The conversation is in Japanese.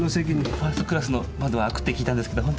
「ファーストクラスの窓は開く」って聞いたんですけどほんとですか？